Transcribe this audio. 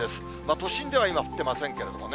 都心では今降ってませんけれどもね。